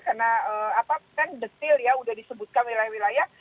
karena apa kan detil ya udah disebutkan wilayah wilayah